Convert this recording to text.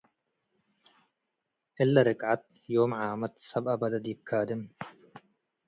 እላ ርቅዐት ዮም ዓመት ሰብአ በደ ዲብ ካድም